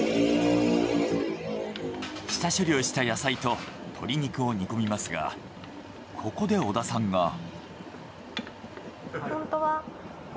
下処理をした野菜と鶏肉を煮込みますがここで小田さんが。